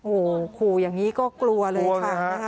โอ้โหขู่อย่างนี้ก็กลัวเลยค่ะ